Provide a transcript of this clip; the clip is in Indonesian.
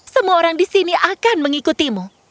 semua orang di sini akan mengikutimu